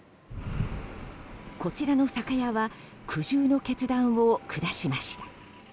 こちらの酒屋は苦渋の決断を下しました。